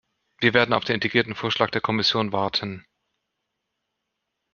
Wir werden auf den integrierten Vorschlag der Kommission warten.